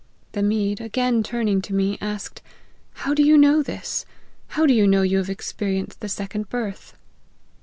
The Mede again turning to me, asked, ' how do you know this ? how do you know you have experienced the second birth